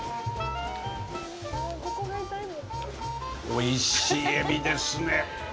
おいしいエビですね。